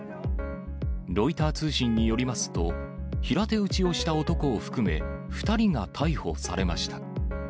ロイター通信によりますと、平手打ちをした男を含め、２人が逮捕されました。